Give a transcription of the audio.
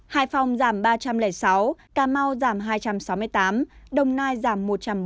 hải phòng giảm ba trăm linh sáu cà mau giảm hai trăm sáu mươi tám đồng nai giảm một trăm bốn mươi